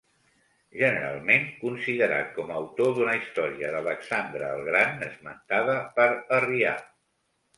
Generalment considerat com a autor d'una història d'Alexandre el Gran esmentada per Arrià.